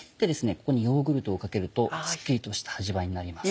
ここにヨーグルトをかけるとスッキリとした味わいになります。